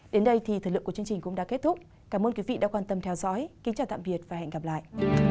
đến đây thì thời lượng của chương trình cũng đã kết thúc cảm ơn quý vị đã quan tâm theo dõi kính chào tạm biệt và hẹn gặp lại